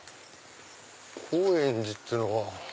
高円寺っていうのは。